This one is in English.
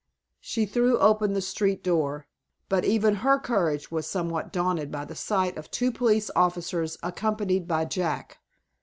She threw open the street door, but even her courage was somewhat daunted by the sight of two police officers, accompanied by Jack.